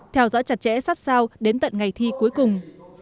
theo dõi chặt chẽ sát sao đến tận ngày thi cuối cùng